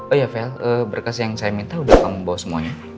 oh iya vel berkas yang saya minta sudah kamu bawa semuanya